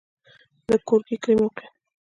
د ګورکي کلی موقعیت